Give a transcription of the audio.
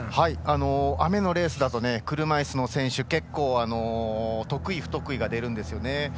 雨のレースだと車いすの選手結構、得意不得意が出るんですよね。